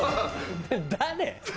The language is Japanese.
誰？